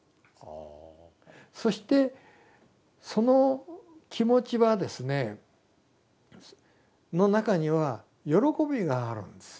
そしてその気持ちはですねの中には喜びがあるんですよ。